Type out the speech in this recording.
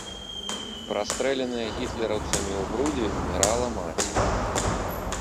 Прастрэленая гітлераўцамі ў грудзі, умірала маці.